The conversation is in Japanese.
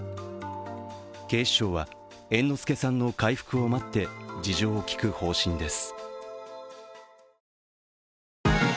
警視庁は、猿之助さんの回復を待って事情を聴く方針です。